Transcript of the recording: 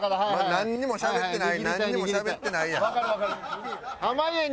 なんにもしゃべってないなんにもしゃべってないやん。